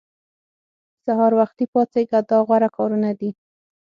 سهار وختي پاڅېږه دا غوره کارونه دي.